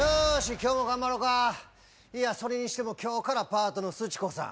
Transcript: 今日も頑張ろうかいやそれにしても今日からパートのすちこさん